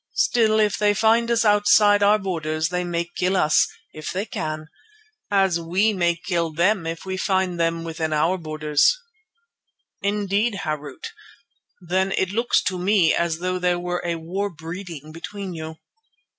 Still, if they find us outside our borders they may kill us, if they can, as we may kill them if we find them within our borders." "Indeed, Harût. Then it looks to me as though there were a war breeding between you."